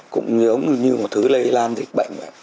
cũng giống như một thứ lây lan dịch bệnh vậy